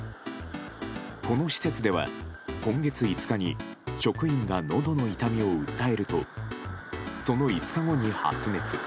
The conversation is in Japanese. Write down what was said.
この施設では今月５日に職員が、のどの痛みを訴えるとその５日後に発熱。